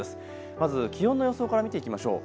まず気温の予想から見ていきましょう。